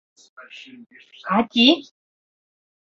— Кати?